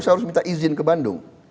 saya harus minta izin ke bandung